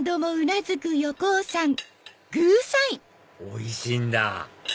おいしいんだ！